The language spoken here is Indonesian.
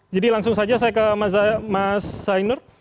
jadi langsung saja saya ke mas zainur